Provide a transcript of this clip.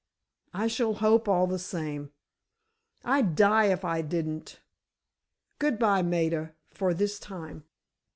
"I shall hope all the same. I'd die if I didn't! Good bye, Maida, for this time."